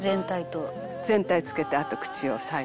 「全体つけてあと口を最後に」